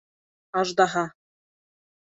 Аждаһа!